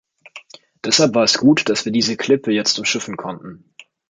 Deshalb war es gut, dass wir diese Klippe jetzt umschiffen konnten.